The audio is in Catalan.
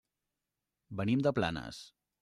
Venim de Planes.